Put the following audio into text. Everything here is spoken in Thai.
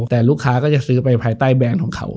แต่ลูกค้าก็จะซื้อไปภายใต้แบรนด์ของเขา